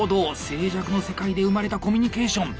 静寂の世界で生まれたコミュニケーション！